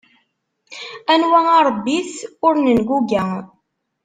Anwa arebit ur nenguga.